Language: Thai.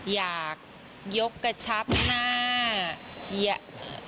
อยากยกกระชับหน้า